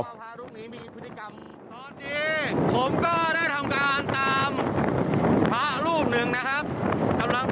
ผมก็ได้ทำการตามพระรูปหนึ่งนะครับ